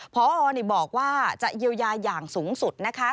พอบอกว่าจะเยียวยาอย่างสูงสุดนะคะ